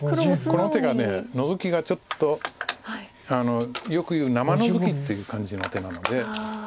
この手がノゾキがちょっとよくいう生ノゾキっていう感じの手なので。